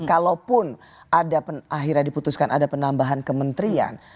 kalaupun ada akhirnya diputuskan ada penambahan kementerian